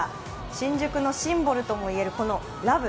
新宿のシンボルともいえる、この「ＬＯＶＥ」。